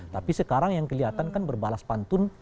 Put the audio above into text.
tapi sekarang yang kelihatan kan berbalas pantun